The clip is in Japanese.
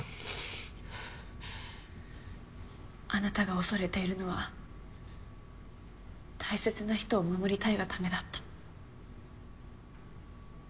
あなたが恐れているのは大切な人を守りたいがためだった。